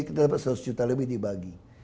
kita dapat seratus juta lebih dibagi